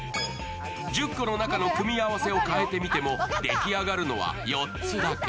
１０個の中の組み合わせを変えてみても、出来上がるのは４つだけ。